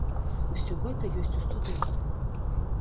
Усё гэта ёсць у студэнтаў.